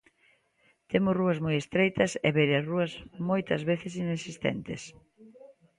Temos rúas moi estreitas e beirarrúas moitas veces inexistentes.